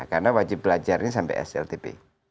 karena wajib belajarnya sampai sltp